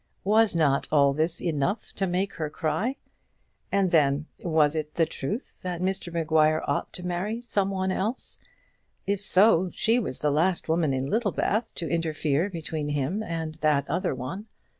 was not all this enough to make her cry? And then, was it the truth that Mr Maguire ought to marry some one else? If so, she was the last woman in Littlebath to interfere between him and that other one.